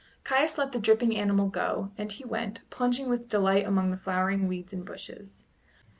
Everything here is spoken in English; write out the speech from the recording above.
Caius let the dripping animal go, and he went, plunging with delight among the flowering weeds and bushes.